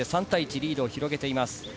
リードを広げています。